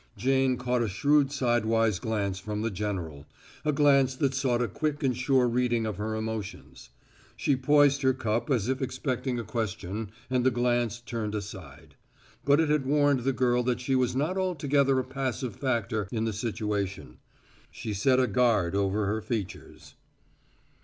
Jane caught a shrewd sidewise glance from the general a glance that sought a quick and sure reading of her emotions. She poised her cup as if expecting a question and the glance turned aside. But it had warned the girl that she was not altogether a passive factor in the situation. She set a guard over her features.